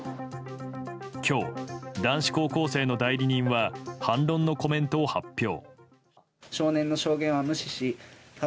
今日、男子高校生の代理人は反論のコメントを発表。